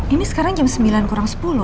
ini sekarang jam sembilan kurang sepuluh